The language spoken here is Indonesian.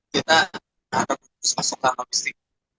kita akan berusaha serta mesti